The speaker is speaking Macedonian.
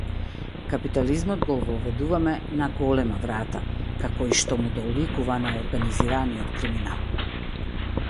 Капитализмот го воведуваме на голема врата, како и што му доликува на организираниот криминал.